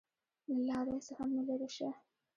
له لارې څخه مې لېرې شه!